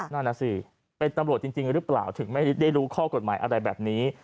นั่นน่ะสิเป็นตำรวจจริงหรือเปล่าถึงไม่ได้รู้ข้อกฎหมายอะไรแบบนี้